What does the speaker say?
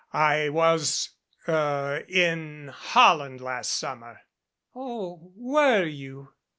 I was er in Holland last summer." "Oh, were you?"